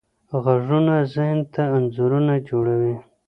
غږونه ذهن ته انځورونه جوړوي.